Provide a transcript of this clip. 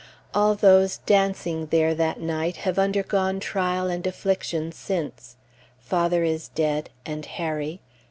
All those dancing there that night have undergone trial and affliction since. Father is dead, and Harry.